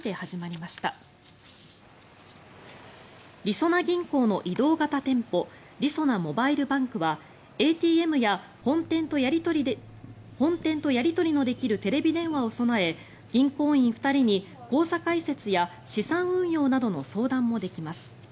りそな銀行の移動型店舗りそなモバイルバンクはＡＴＭや本店とやり取りのできるテレビ電話を備え銀行員２人に、口座開設や資産運用などの相談もできます。